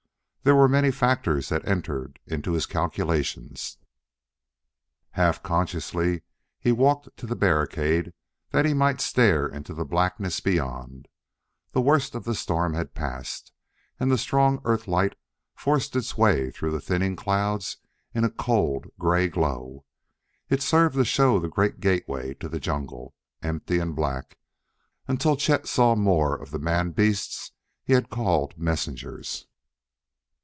There were many factors that entered into his calculations. Half consciously he had walked to the barricade that he might stare into the blackness beyond. The worst of the storm had passed, and the strong Earth light forced its way through the thinning clouds in a cold, gray glow. It served to show the great gateway to the jungle, empty and black, until Chet saw more of the man beasts he had called messengers.